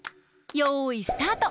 よいスタート！